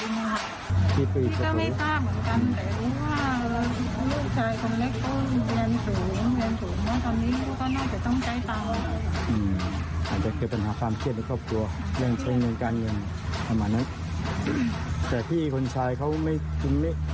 อืมอาจจะเกิดปัญหาความเมื่อครอบครัวแรงเช่นเงินการเงินประมาณนั้นแต่พี่คนชายเขาไม่ดื่มไม่ค่ะ